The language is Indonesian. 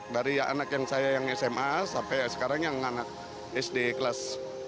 dari anak yang saya yang sma sampai sekarang yang anak sd kelas